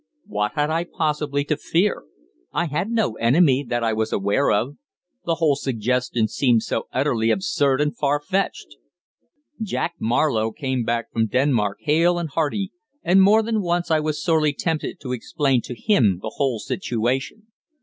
What had I possibly to fear? I had no enemy that I was aware of. The whole suggestion seemed so utterly absurd and far fetched. Jack Marlowe came back from Denmark hale and hearty, and more than once I was sorely tempted to explain to him the whole situation.